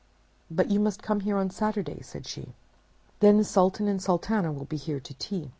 "But you must come here on Saturday," said she. "Then the Sultan and Sultana will be here to tea.